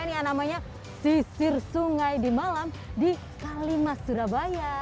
ini yang namanya sisir sungai di malam di kalimas surabaya